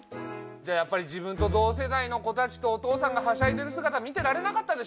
じゃあやっぱり自分と同世代の子たちとお父さんがはしゃいでる姿見てられなかったでしょ？